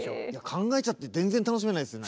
考えちゃって全然楽しめないですね。